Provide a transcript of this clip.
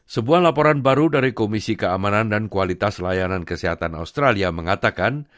sebuah laporan baru dari komisi keamanan dan kualitas layanan kesehatan australia mengatakan